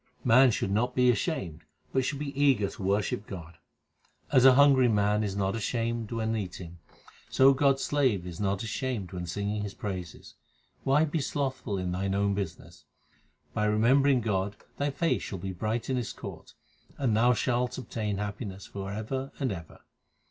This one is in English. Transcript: Man should not be ashamed, but should be eager to worship God : As a hungry man is not ashamed when eating, So God s slave *s not ashamed to sing His praises. Why be slothful in thine own business ? By remembering God thy face shall be bright in His court, and thou shalt obtain happiness for ever and ever.